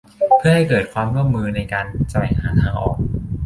เพื่อให้เกิดความร่วมมือในการแสวงหาทางออก